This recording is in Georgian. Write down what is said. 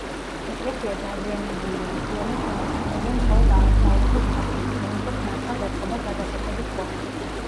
ეკლესია დაზიანებულია, მთლიანად შემორჩენილია მხოლოდ აღმოსავლეთის ფასადი, რომელსაც ნათლად ეტყობა გადაკეთების კვალი.